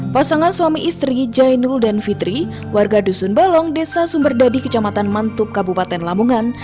pasangan suami istri jainul dan fitri warga dusun balong desa sumberdadi kecamatan mantup kabupaten lamongan